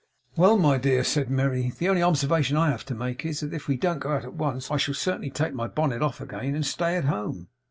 'Well, my dear,' said Merry, 'the only observation I have to make is, that if we don't go out at once, I shall certainly take my bonnet off again, and stay at home.